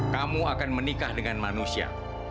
kamu akan menikah dengan manusia